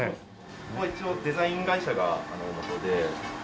ここは一応デザイン会社がもとで。